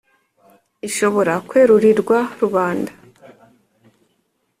Ishobora kwerurirwa rubanda